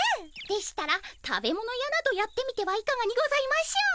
でしたら食べ物屋などやってみてはいかがにございましょう？